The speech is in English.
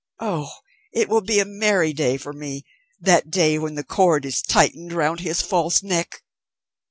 Oh, it will be a merry day for me, that day when the cord is tightened round his false neck!"